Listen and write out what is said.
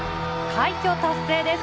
快挙達成です。